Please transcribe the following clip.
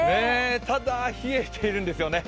ただ、冷えているんですよね